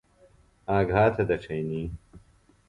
آگھا تھےۡ دڇھئنی۔